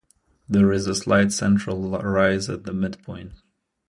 There is a slight central rise at the midpoint.